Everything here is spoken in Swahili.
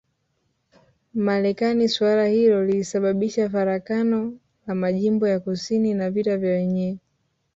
Marekani suala hilo lilisababisha farakano la majimbo ya kusini na vita vya wenyewe